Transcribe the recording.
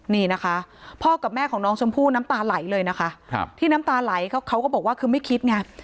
นี่นะคะพ่อกับแม่ของน้องชมพู่น้ำตาไหลเลยนะคะที่น้ำตาไหลเขาก็บอกว่าคือไม่คิดไง